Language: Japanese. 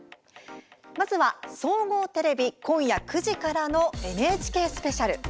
まずは総合テレビ今夜９時からの「ＮＨＫスペシャル」